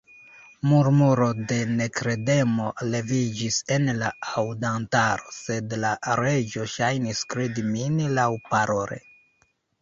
Murmuro de nekredemo leviĝis en la aŭdantaro, sed la Reĝo ŝajnis kredi min laŭparole.